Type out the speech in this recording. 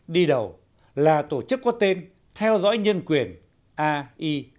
đi đầu là tổ chức có tên theo dõi nhân quyền ai